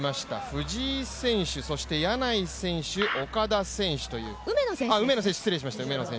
藤井選手、そして柳井選手梅野選手という。